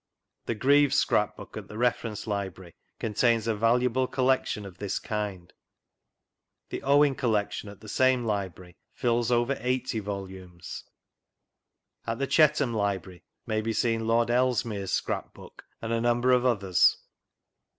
The Greaves scrap book at the Reference Library contains a valuable collealon of this kind. The Owen collection at the same Library fills over eighty volimies. At the Chetham Library may be seen Lord Ellesmere's scrap book and a number of others.